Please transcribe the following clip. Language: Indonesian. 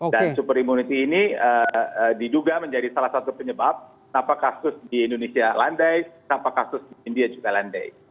dan super immunity ini diduga menjadi salah satu penyebab tanpa kasus di indonesia landai tanpa kasus di india juga landai